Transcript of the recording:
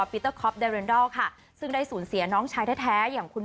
ปีเตอร์คอปค่ะซึ่งได้สูญเสียน้องชายแท้แท้อย่างคุณ